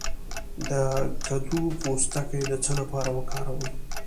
د کدو پوستکی د څه لپاره وکاروم؟